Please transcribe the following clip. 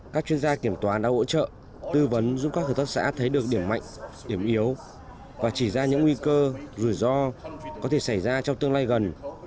các chuyên gia kiểm toán đã hỗ trợ tư vấn giúp các hợp tác xã thấy được điểm mạnh điểm yếu và chỉ ra những nguy cơ rủi ro có thể xảy ra trong tương lai gần